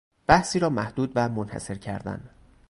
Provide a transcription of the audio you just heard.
بحثی را محدود و منحصر کردن